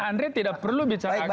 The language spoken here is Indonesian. andre tidak perlu bicara angka